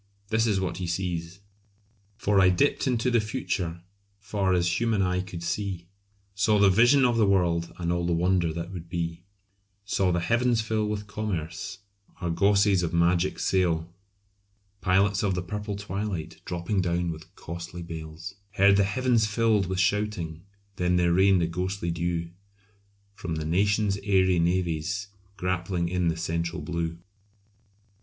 This is what he sees "For I dipt into the future, far as human eye could see, Saw the vision of the world and all the wonder that would be, Saw the heavens fill with commerce, argosies of magic sail, Pilots of the purple twilight dropping down with costly bales, Heard the heavens fill with shouting, then there rained a ghostly dew, From the nations' airy navies, grappling in the central blue."